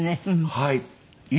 「はい」